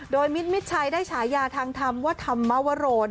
โดยมิดมิดชัยได้ใช้ยาทางธรรมวัฒนาวโร